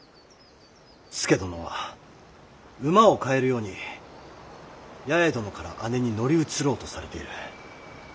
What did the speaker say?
佐殿は馬を換えるように八重殿から姉に乗り移ろうとされている。